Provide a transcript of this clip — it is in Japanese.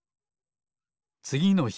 つぎのひ。